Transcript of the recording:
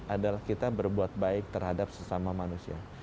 adalah kita berbuat baik terhadap sesama manusia